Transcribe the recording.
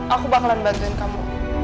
aku bakalan bantuin kamu